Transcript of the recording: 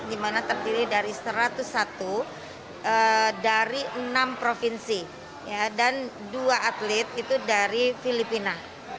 di mana terdiri dari satu ratus satu dari enam provinsi dan dua atlet itu dari filipina